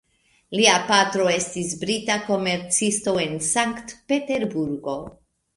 Lia patro estis brita komercisto en Sankt-Peterburgo.